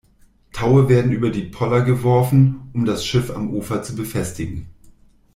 Taue werden über die Poller geworfen, um das Schiff am Ufer zu befestigen.